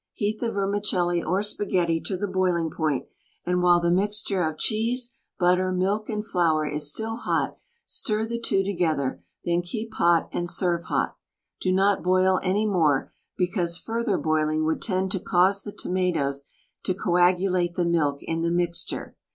Heat the vermicelli or spaghetti to the boiling point; and while the mixture of cheese, butter, milk and flour is still hot, stir the two together, then keep hot and serve hot. Do not boil any more, because further boiling would tend to cause the tomatoes to coagulate the milk in the mixture.